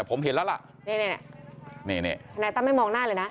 เออ